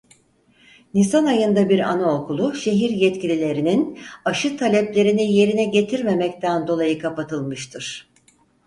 Nisan ayında bir anaokulu şehir yetkililerinin aşı taleplerini yerine getirmemekten dolayı kapatılmıştır.